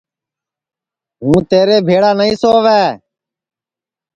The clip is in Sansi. ہوں تیرے بھیݪا نائی سؤے